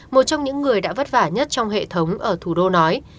một trong những người đã vất vả nhất trong hệ thống ở thủ đô nói